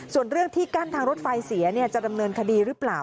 ส่วนเรื่องที่กั้นทางรถไฟเสียจะดำเนินคดีหรือเปล่า